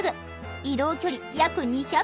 移動距離約２００ｋｍ。